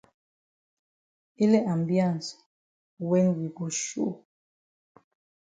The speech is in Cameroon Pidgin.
Ele ambiance wen we go show.